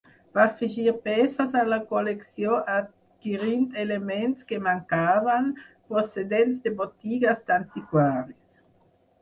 Va afegir peces a la col·lecció adquirint elements que mancaven, procedents de botigues d'antiquaris.